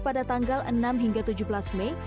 pada tanggal enam hingga tujuh belas mei